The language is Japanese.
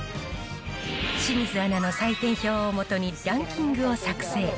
清水アナの採点表を基にランキングを作成。